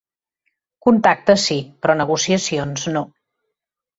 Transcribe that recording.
Contactes sí, però negociacions no.